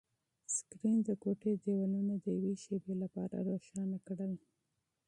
سکرین د کوټې دیوالونه د یوې شېبې لپاره روښانه کړل.